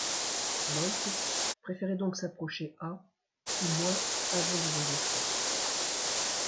Boelcke préférait donc s'approcher à ou moins avant d'ouvrir le feu.